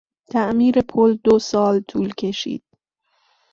تعمیر پل دو سال طول کشید.